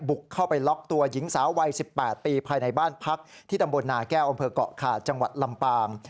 เข้าไปล็อกตัวหญิงสาววัย๑๘ปีภายในบ้านพักที่ตำบลนาแก้วอำเภอกเกาะขาดจังหวัดลำปาง